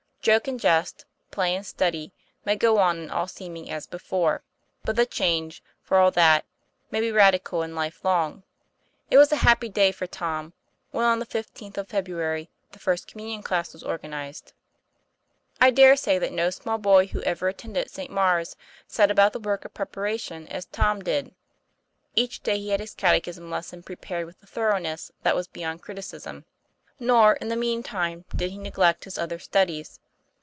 Joke and jest, play and study, may go on in all seeming as before. But the change, for all that, may be radical and life long. It was a happy day for Tom when on the fifteenth of February the First Communion Class was organ ized. I dare say that no small boy who ever attended St. Maure's set about the work of preparation as Tom did. Each day he had his catechism lesson prepared with a thoroughness that was beyond criti cism. Nor, in the mean time, did he neglect his other studies.